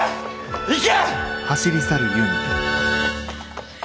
行け！